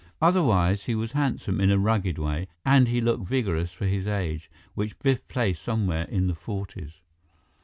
Otherwise, he was handsome, in a rugged way, and he looked vigorous for his age, which Biff placed somewhere in the forties.